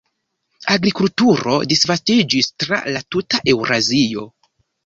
Agrikulturo disvastiĝis tra la tuta Eŭrazio.